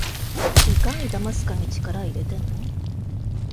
いかにだますかに力いれてんの？